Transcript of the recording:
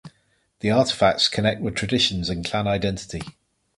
The artefacts connect with traditions and clan identity.